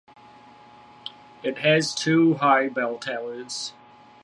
It has two high bell towers.